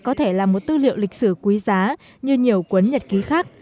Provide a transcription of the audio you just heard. có thể là một tư liệu lịch sử quý giá như nhiều quấn nhật ký khác